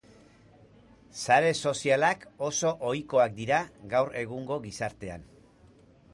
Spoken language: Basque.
Sare sozialak oso ohikoak dira gaur egungo gizartean.